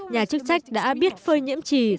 nhà chức trách đã biết phơi nhiễm trì